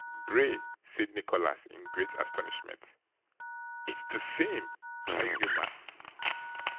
'Bray,' said Nicholas, in great astonishment. 'It's the same!' cried Newman.